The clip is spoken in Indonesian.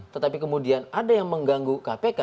tetapi kemudian ada yang mengganggu kpk